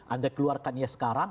anda keluarkan ya sekarang